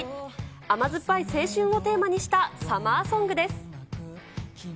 甘酸っぱい青春をテーマにしたサマーソングです。